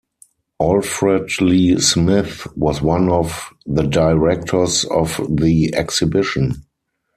Alfred Lee Smith was one of the directors of the exhibition.